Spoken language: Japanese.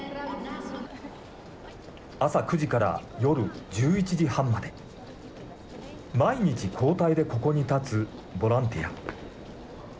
朝９時から夜１１時半まで毎日交代でここに立つボランティア。